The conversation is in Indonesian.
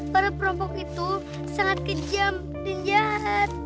para perampok itu sangat kejam dan jahat